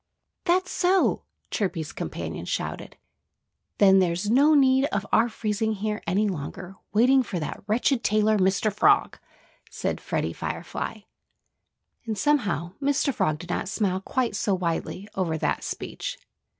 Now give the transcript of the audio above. "That's so!" Chirpy's companions shouted. "Then there's no need of our freezing here any longer, waiting for that wretched tailor, Mr. Frog!" said Freddie Firefly. And somehow, Mr. Frog did not smile quite so widely over that speech.